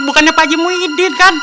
bukannya pakji muhyiddin kan